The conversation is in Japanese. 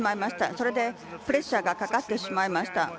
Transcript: それでプレッシャーがかかってしまいました。